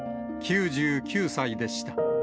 ９９歳でした。